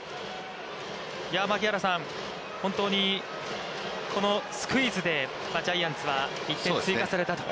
槙原さん、本当にこのスクイズでジャイアンツは１点追加されたと。